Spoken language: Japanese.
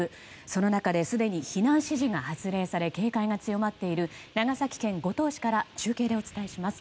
その中ですでに避難指示が発令され警戒が強まっている長崎県五島市から中継でお伝えします。